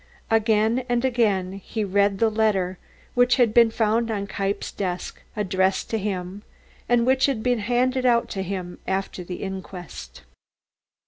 Again and again he read the letter which had been found on Kniepp's desk, addressed to him and which had been handed out to him after the inquest.